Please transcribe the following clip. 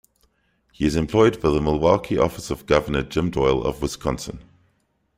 He is employed by the Milwaukee Office of Governor Jim Doyle of Wisconsin.